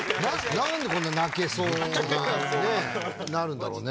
何でこんな泣けそうなねなるんだろうね。